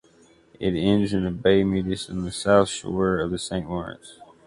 It ends in the Baie Mitis on the south shore of the Saint Lawrence.